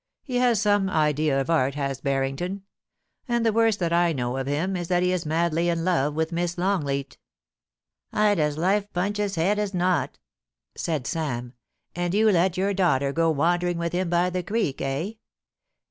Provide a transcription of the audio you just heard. He has some idea of art, has Harrington ; and the worst that I know of him is, that he is madly in love with Miss Longleat' * I'd as lief punch his head as not,* said Sam. * And you let your daughter go wandering with him by the creek, eh